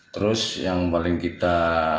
terus yang paling kita